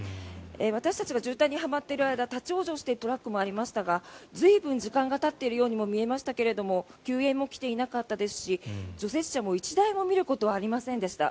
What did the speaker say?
私たちが渋滞にはまっている間立ち往生しているトラックもありましたが随分時間がたっているようにも見えましたが救援も来ていなかったですし除雪車も１台も見ることはありませんでした。